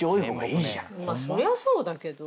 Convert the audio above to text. そりゃそうだけど。